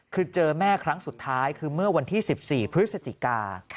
คือเจอแม่ครั้งสุดท้ายคือเมื่อวันที่๑๔พฤศจิกา